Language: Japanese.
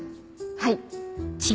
はい。